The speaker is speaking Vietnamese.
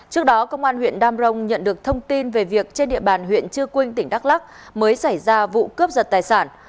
trước đó công an huyện đam rồng nhận được thông tin về việc trên địa bàn huyện chư quynh tỉnh đắk lắc mới xảy ra vụ cướp giật tài sản